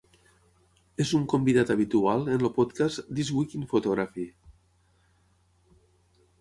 És un convidat habitual en el podcast This Week in Photography.